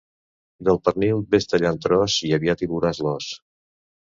Del pernil ves tallant tros i aviat hi veuràs l'os.